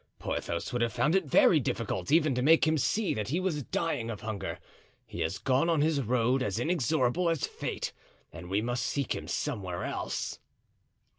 Porthos would have found it very difficult even to make him see that he was dying of hunger; he has gone on his road as inexorable as fate and we must seek him somewhere else."